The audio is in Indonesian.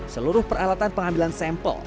seluruh peralatan pengambilan sampel